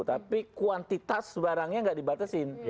tapi kuantitas barangnya tidak dibatasi